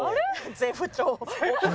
「絶不調」。